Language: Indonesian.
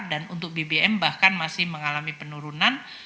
dan untuk bbm bahkan masih mengalami penurunan